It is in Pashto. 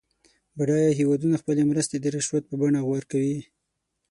بډایه هېوادونه خپلې مرستې د رشوت په بڼه ورکوي.